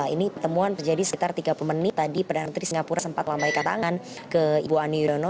ini pertemuan terjadi sekitar tiga puluh menit tadi perdana menteri singapura sempat lambai katangan ke ibu ani yudhoyono